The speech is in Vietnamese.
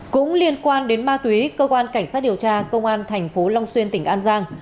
cũng liên quan đến ma túy cơ quan cảnh sát điều tra công an thành phố long xuyên tỉnh an giang